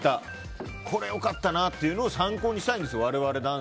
これ良かったなっていうのを参考にしたいんですよ。